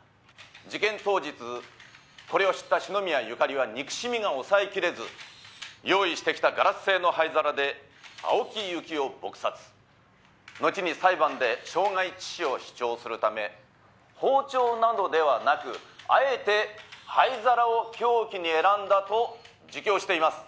「事件当日これを知った篠宮ゆかりは憎しみが抑えきれず用意してきたガラス製の灰皿で青木由紀男を撲殺」「後に裁判で傷害致死を主張するため包丁などではなくあえて灰皿を凶器に選んだと自供しています」